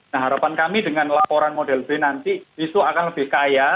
nah harapan kami dengan laporan model b nanti itu akan lebih kaya